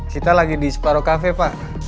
kita lagi di separuh kafe pak